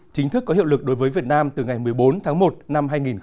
chính thức có hiệu lực đối với việt nam từ ngày một mươi bốn tháng một năm hai nghìn hai mươi